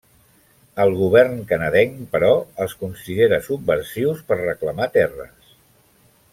El govern canadenc, però, els considerà subversius per reclamar terres.